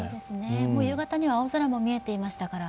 もう夕方には青空も見えていましたから。